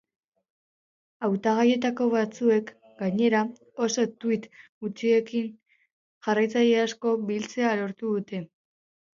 Hautagaietako batzuek, gainera, oso tuit gutxirekin jarraitzaile asko biltzea lortu dute.